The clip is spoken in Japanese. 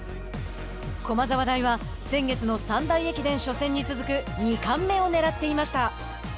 駒沢大は先月の三大駅伝初戦に続く２冠目をねらっていました。